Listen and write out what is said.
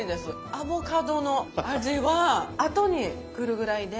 アボカドの味は後にくるぐらいで。